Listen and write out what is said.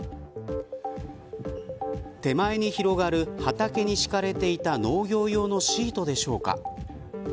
手前に広がる畑に敷かれていた農業用のシートでしょうか。